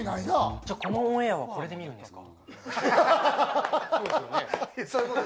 このオンエアはこれで見るんですか？